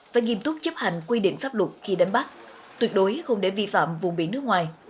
và nghiêm túc chấp hành quy định pháp luật khi đánh bắt tuyệt đối không để vi phạm vùng biển nước ngoài